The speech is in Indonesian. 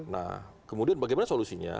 nah kemudian bagaimana solusinya